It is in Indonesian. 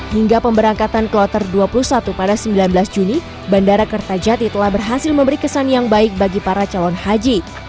hingga pemberangkatan kloter dua puluh satu pada sembilan belas juni bandara kertajati telah berhasil memberi kesan yang baik bagi para calon haji